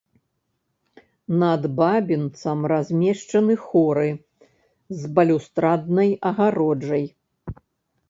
Над бабінцам размешчаны хоры з балюстраднай агароджай.